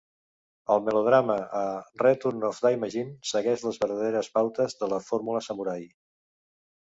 El melodrama a "Return of Daimajin" segueix les verdaderes pautes de la fórmula samurai.